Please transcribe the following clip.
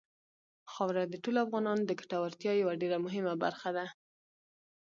خاوره د ټولو افغانانو د ګټورتیا یوه ډېره مهمه برخه ده.